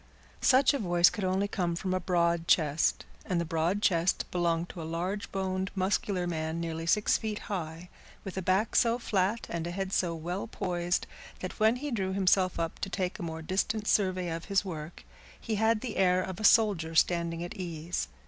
Such a voice could only come from a broad chest, and the broad chest belonged to a large boned, muscular man nearly six feet high, with a back so flat and a head so well poised that when he drew himself up to take a more distant survey of his work, he had the air of a soldier standing at ease.